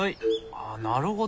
あなるほど。